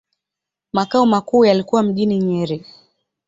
Makao makuu yalikuwa mjini Nyeri.